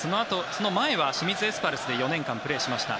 その前は清水エスパルスで４年間プレーしました。